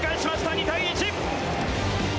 ２対１！